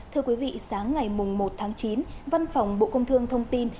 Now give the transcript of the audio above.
thưa quý vị sáng ngày một tháng chín văn phòng bộ công thương thông tin